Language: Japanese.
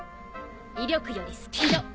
威力よりスピード！